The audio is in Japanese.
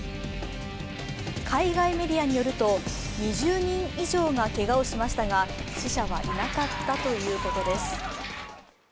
海外メディアによると、２０人以上がけがをしましたが死者はいなかったということです。